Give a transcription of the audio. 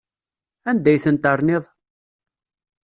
Anda ay tent-terniḍ?